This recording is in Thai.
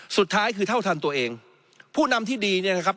สุดท้ายคือเท่าทันตัวเองผู้นำที่ดีเนี่ยนะครับ